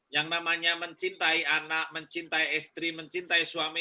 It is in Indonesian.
yang namanya mencintai anak mencintai istri mencintai suami